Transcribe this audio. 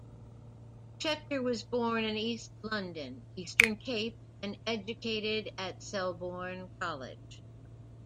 Scheckter was born in East London, Eastern Cape, and educated at Selborne College.